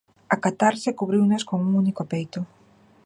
A catarse cubriunos cun único peito.